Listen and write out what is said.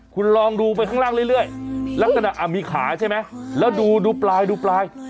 คุณลองดูไปข้างล่างเรื่อยลักษณะมีขาใช่ไหมแล้วดูปลายดูปลาย